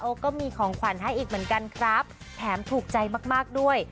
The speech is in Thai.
เขาก็มีของขวัญให้อีกเหมือนกันครับแถมถูกใจมากมากด้วย